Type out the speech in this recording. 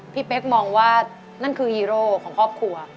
เป๊กมองว่านั่นคือฮีโร่ของครอบครัว